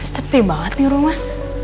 sepi banget nih rumah